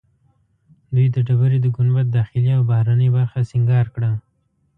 دوی د ډبرې د ګنبد داخلي او بهرنۍ برخه سنګار کړه.